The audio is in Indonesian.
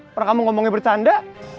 pernah kamu ngomongnya bercanda